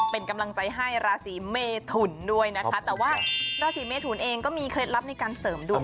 เป็นกำลังใจให้ราศีเมทุนด้วยนะคะแต่ว่าราศีเมทุนเองก็มีเคล็ดลับในการเสริมดวง